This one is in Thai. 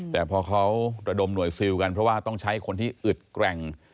แต่พอเขาระดมหน่วยซิลกันเพราะว่าต้องใช้คนที่อึดแกร่ง